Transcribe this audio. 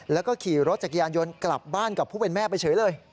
แล้วก็ขี่รถจักรยานยนต์กลับบ้านกับผู้เป็นแม่ไปเฉยเลย